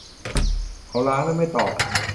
เขาล้างและไม่ตอบ